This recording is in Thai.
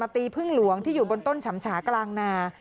ต้นฉ่ำฉากลางนา